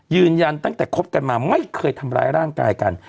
ยืนยันตั้งแต่คบกันมาไม่เคยทำร้ายร่างกายกัน